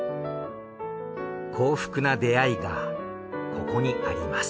幸福な出会いがここにあります。